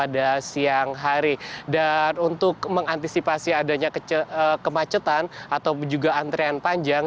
dan untuk mengantisipasi adanya kemacetan atau juga antrian panjang